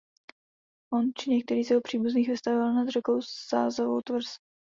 On či některý z jeho příbuzných vystavěl nad řekou Sázavou tvrz.